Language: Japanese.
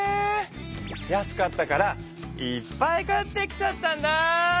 安かったからいっぱい買ってきちゃったんだ。